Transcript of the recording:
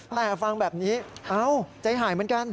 แต่ฟังแบบนี้เอ้าใจหายเหมือนกัน